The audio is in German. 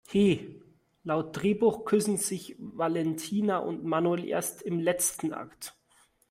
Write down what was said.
He, laut Drehbuch küssen sich Valentina und Manuel erst im letzten Akt!